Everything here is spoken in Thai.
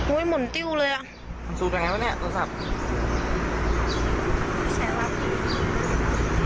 โอ้ยหม่นติ้วเลยอ่ะสูบยังไงวะเนี่ยโทรศัพท์